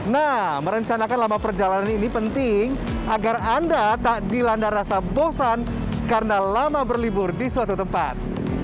nah merencanakan lama perjalanan ini penting agar anda tak dilanda rasa bosan karena lama berlibur di suatu tempat